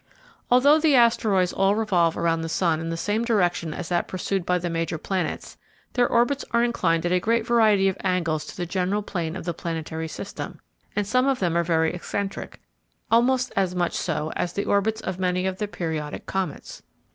Although the asteroids all revolve around the sun in the same direction as that pursued by the major planets, their orbits are inclined at a great variety of angles to the general plane of the planetary system, and some of them are very eccentric—almost as much so as the orbits of many of the periodic comets.